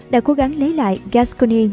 đã cố gắng lấy lại gascony